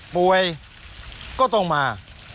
ป่วยก็ต้องมา